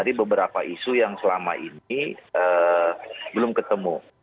jadi beberapa isu yang selama ini belum ketemu